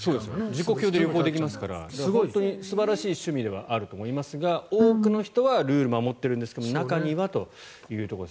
時刻表で旅行できますから本当に素晴らしい趣味ではあると思いますが多くの人はルールを守っているんですが多くの人がそうだと。